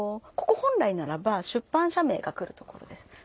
ここ本来ならば出版社名が来るところです。